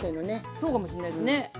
そうかもしんないですね。